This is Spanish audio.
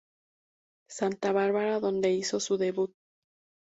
Santa Bárbara donde hizo su debut.